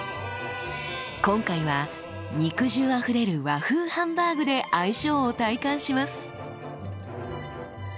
今回は肉汁あふれる和風ハンバーグで相性を体感します。